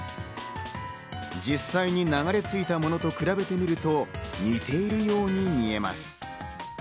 実際に流れ着いたものと比べてみると似ているように見えます。